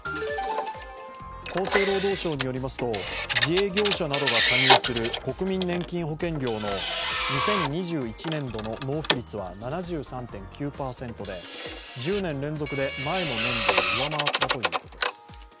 厚生労働省によりますと自営業者などが加入する国民年金保険料の２０２１年度の納付率は７３．９％で１０年連続で前の年度を上回ったということです。